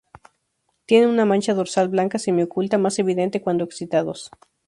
Tienen una mancha dorsal blanca semi-oculta, más evidente cuando excitados.